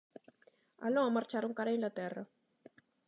Aló marcharon cara a Inglaterra.